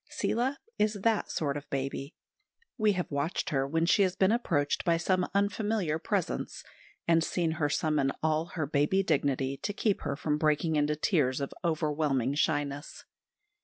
Seela is that sort of baby. We have watched her when she has been approached by some unfamiliar presence, and seen her summon all her baby dignity to keep her from breaking into tears of overwhelming shyness.